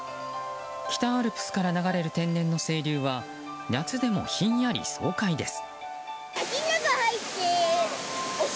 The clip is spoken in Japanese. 北アルプスから流れる天然の清流は夏でもひんやり爽快です。